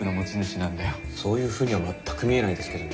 そういうふうには全く見えないですけどね。